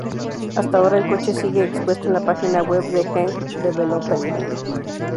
Hasta ahora el coche sigue expuesto en la página web de Heng Development.